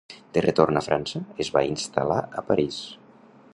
De retorn a França, es va instal·lar a París.